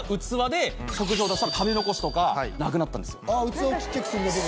器をちっちゃくするだけで。